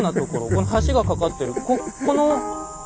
この橋が架かってる。